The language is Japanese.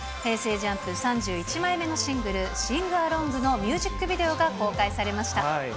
ＪＵＭＰ３１枚目のシングル、シングアロングのミュージックビデオが公開されました。